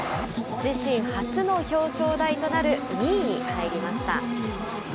自身初の表彰台となる２位に入りました。